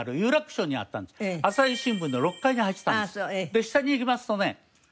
で下に行きますとね